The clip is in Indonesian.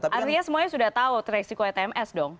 artinya semuanya sudah tahu resiko tms dong